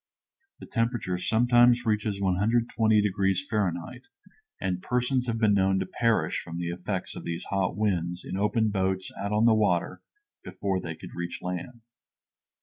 The temperature sometimes reaches 120 degrees Fahrenheit, and persons have been known to perish from the effects of these hot winds in open boats out on the water before they could reach land.